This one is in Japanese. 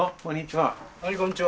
はいこんにちは。